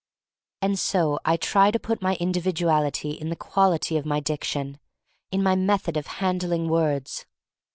And so I try to put my individuality in the quality of my diction, in my method of handling words.